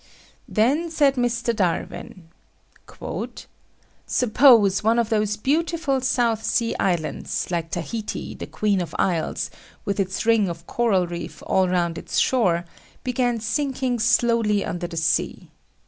Then said Mr. Darwin, "Suppose one of those beautiful South Sea Islands, like Tahiti, the Queen of Isles, with its ring of coral reef all round its shore, began sinking slowly under the sea.